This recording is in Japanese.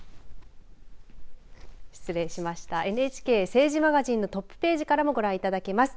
ＮＨＫ政治マガジンのトップページからもご覧いただけます。